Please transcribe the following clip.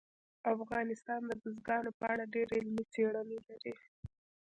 افغانستان د بزګانو په اړه ډېرې علمي څېړنې لري.